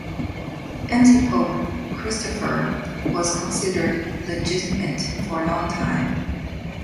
Antipope Christopher was considered legitimate for a long time.